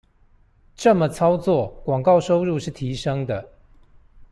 這麼操作廣告收入是提升的